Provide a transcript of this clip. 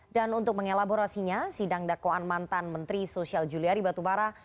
untuk mengelaborasinya sidang dakwaan mantan menteri sosial juliari batubara